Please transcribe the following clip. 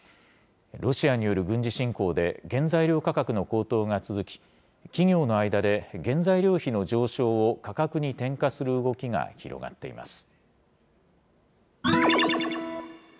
ロシアによる軍事侵攻で、原材料価格の高騰が続き、企業の間で原材料費の上昇を価格に転嫁する動きが広がっています。